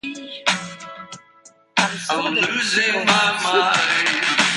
Aristodemus goes to sleep.